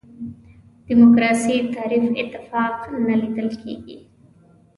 دیموکراسي تعریف اتفاق نه لیدل کېږي.